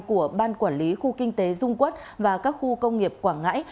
của ban quản lý khu kinh tế dung quốc và các khu công nghiệp quảng ngãi